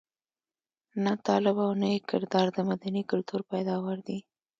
نه طالب او نه یې کردار د مدني کلتور پيداوار دي.